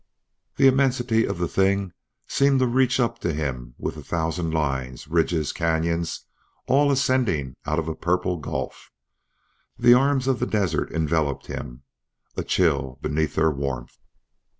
The immensity of the thing seemed to reach up to him with a thousand lines, ridges, canyons, all ascending out of a purple gulf. The arms of the desert enveloped him, a chill beneath their warmth.